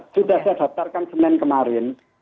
sudah saya dasarkan semen kemarin